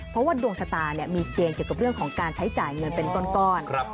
เพราะว่าดวงชะตามีเกณฑ์เกี่ยวกับเรื่องของการใช้จ่ายเงินเป็นก้อน